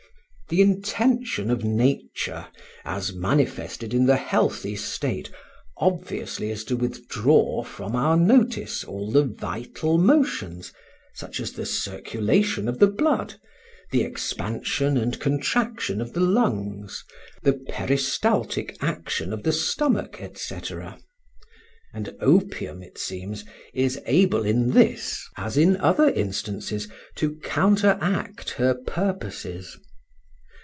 The intention of nature, as manifested in the healthy state, obviously is to withdraw from our notice all the vital motions, such as the circulation of the blood, the expansion and contraction of the lungs, the peristaltic action of the stomach, &c., and opium, it seems, is able in this, as in other instances, to counteract her purposes.